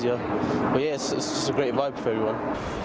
ini adalah alasan yang sangat baik untuk semua orang